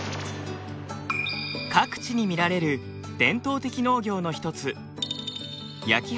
各地に見られる伝統的農業の一つ